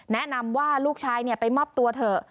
แนะนำว่าลูกชายไปมอบตัวเถอะ